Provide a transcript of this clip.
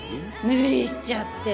無理しちゃって。